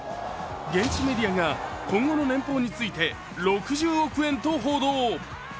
現地メディアが今後の年俸について６０億円と報道。